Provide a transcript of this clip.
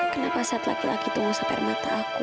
kenapa saat laki laki tunggu sampai mata aku